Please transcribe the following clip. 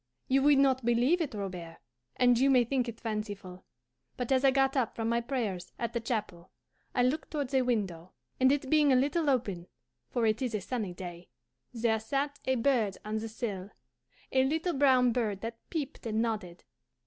"You would not believe it, Robert, and you may think it fanciful, but as I got up from my prayers at the chapel I looked towards a window, and it being a little open, for it is a sunny day, there sat a bird on the sill, a little brown bird that peeped and nodded.